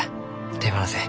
手放せん。